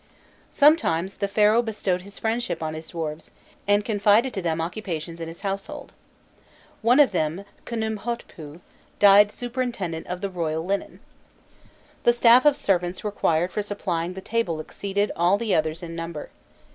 Sometimes the Pharaoh bestowed his friendship on his dwarfs, and confided to them occupations in his household. One of them, Khnûmhotpû, died superintendent of the royal linen. The staff of servants required for supplying the table exceeded all the others in number.